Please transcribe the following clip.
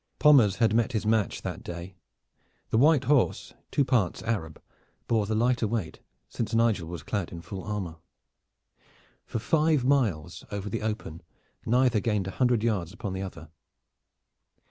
Pommers had met his match that day. The white horse, two parts Arab, bore the lighter weight, since Nigel was clad in full armor. For five miles over the open neither gained a hundred yards upon the other.